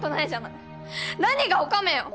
何が「おかめ」よ！